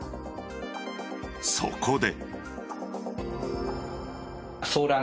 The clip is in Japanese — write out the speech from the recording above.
そこで。